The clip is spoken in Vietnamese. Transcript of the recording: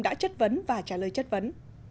đã chất vấn và trả lời chất vấn